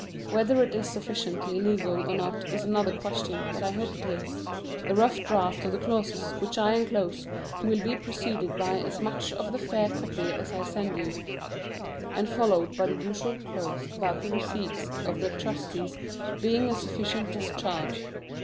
Whether it is sufficiently legal or not is another question, but I hope it is. The rough draft of the clauses which I enclose will be preceded by as much of the fair copy as I send you, and followed by the usual clause about the receipts of the trustees being a sufficient discharge.